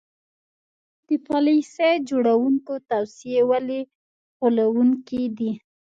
د پالیسي جوړوونکو توصیې ولې غولوونکې دي.